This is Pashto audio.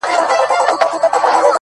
o زما د هر شعر نه د هري پيغلي بد راځي ـ